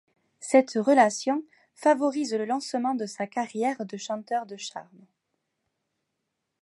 Cette relation favorise le lancement de sa carrière de chanteur de charme.